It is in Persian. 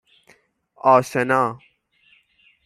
آشنا